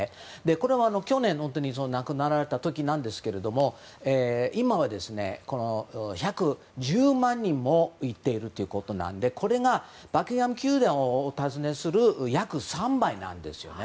これは去年亡くなられた時なんですが今は１１０万人も行っているということなのでこれバッキンガム宮殿をお訪ねする約３倍なんですね。